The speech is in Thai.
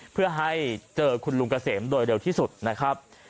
เพื่อให้เจอคุณลุงเกษมโดยเร็วที่สุดนะครับ